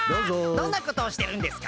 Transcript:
どんなことをしてるんですか？